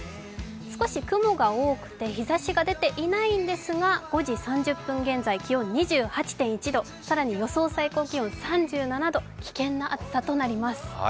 少し雲が多くて日ざしが出ていないんですが、５時３０分現在気温２８．１度、更に予想最高気温３７度、危険な暑さとなります。